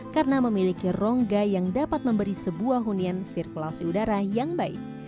karena memiliki rongga yang dapat memberi sebuah hunian sirkulasi udara yang baik